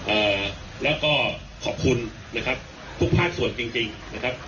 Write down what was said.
เอ่อแล้วก็ขอบคุณนะครับทุกภาคส่วนจริงจริงนะครับ